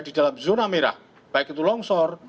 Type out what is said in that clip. di dalam zona merah baik itu longsor